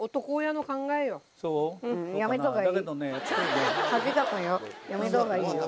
やめたほうがいいよ。